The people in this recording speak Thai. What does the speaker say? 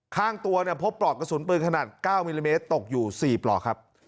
ข้างตัวเนี่ยพบปลอกกระสุนปืนขนาด๙มิลลิเมตรตกอยู่๔ปลอกครับ